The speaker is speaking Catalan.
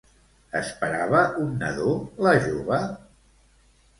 Esperava un nadó la jove?